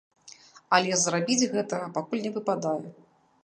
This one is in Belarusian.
Але зрабіць гэтага пакуль не выпадае.